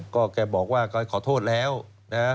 ก็แกบอกว่าก็ขอโทษแล้วนะ